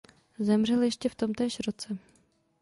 Zemřel ještě v tomtéž roce.